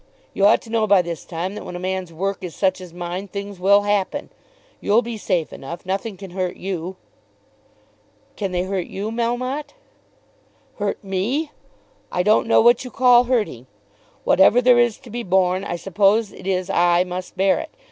You ought to know by this time that when a man's work is such as mine, things will happen. You'll be safe enough. Nothing can hurt you." "Can they hurt you, Melmotte?" "Hurt me! I don't know what you call hurting. Whatever there is to be borne, I suppose it is I must bear it.